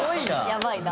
やばいな。